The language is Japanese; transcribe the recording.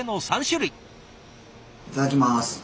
いただきます。